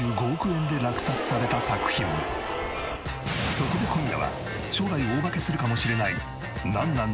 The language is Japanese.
そこで今夜は将来大化けするかもしれないなんなん？